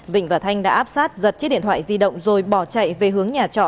vịnh và thanh đã áp sát giật chiếc điện thoại di động rồi bỏ chạy về hướng nhà trọ